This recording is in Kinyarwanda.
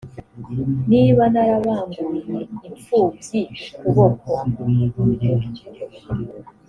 niba narabanguriye impfubyi ukuboko